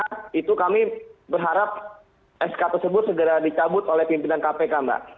karena itu kami berharap sk tersebut segera dicabut oleh pimpinan kpk mbak